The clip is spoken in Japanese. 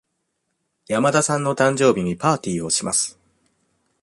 山田さんの誕生日にパーティーをします。